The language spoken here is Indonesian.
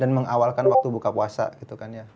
dan mengawalkan waktu buka puasa gitu kan ya